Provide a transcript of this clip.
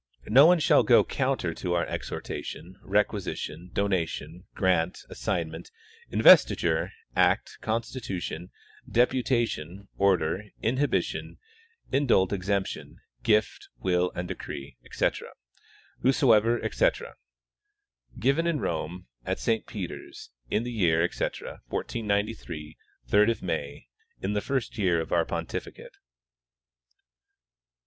No one shall go counter to our exhortation, requisition, donation grant, assignment, investi ture, act, constitution, deputation, order, inhibition, indult, ex emption, gift, will and decree, etc. Whosoever, etc. Given in Rome, at Saint Peter's, in the year, etc, 1493, third of May, in the first year of our pontificate.